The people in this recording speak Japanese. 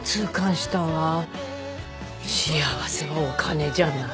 幸せはお金じゃない。